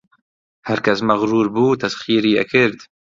هەرکەس مەغروور بوو تەسخیری ئەکرد